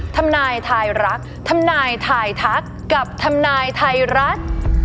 ทำนายทายรักทำนายทายทักกับทำนายไทยรัฐ